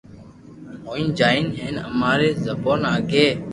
ھوئي جائين ھين اماري زبون آگي